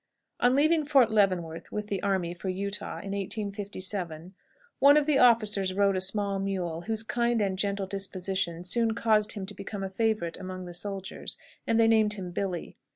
On leaving Fort Leavenworth with the army for Utah in 1857, one of the officers rode a small mule, whose kind and gentle disposition soon caused him to become a favorite among the soldiers, and they named him "Billy."